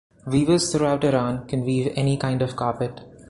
Weavers throughout Iran can weave any kind of carpet.